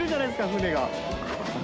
船が。